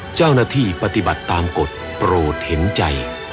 เจ้าหน้าที่ปฏิบัติตามกฎโปรดเห็นใจ